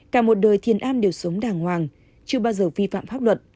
cả một đời thiền an đều sống đàng hoàng chưa bao giờ vi phạm pháp luật